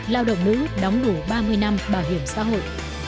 lao động nữ đóng đủ ba mươi năm bảo hiểm xã hội